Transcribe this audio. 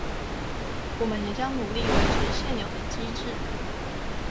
我們也將努力維持現有的機制